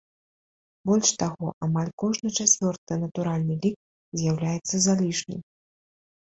Больш таго, амаль кожны чацвёрты натуральны лік з'яўляецца залішнім.